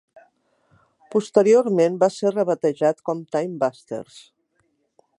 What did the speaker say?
Posteriorment va ser rebatejat com "TimeBusters".